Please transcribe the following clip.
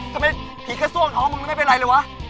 ทำไมผีแค่ซ่วงเขามันไม่เป็นไรเลยวะ